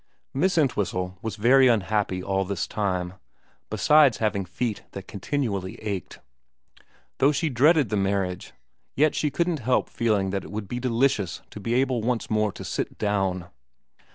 ... Miss Entwhistle was very unhappy all this time, besides having feet that continually ached. Though she dreaded the marriage, yet she couldn't help feeling that it would be delicious to be able once more to sit down.